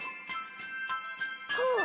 こう？